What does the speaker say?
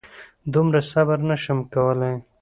دومره صبر نه شم کولی.